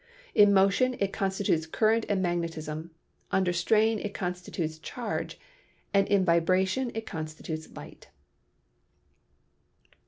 In motion it constitutes current and magnetism; under strain it con stitutes charge, and in vibration it constitutes light."